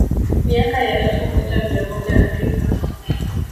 Miaka ya elfu moja mia moja na tisa